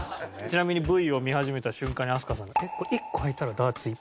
ちなみにＶを見始めた瞬間に飛鳥さん。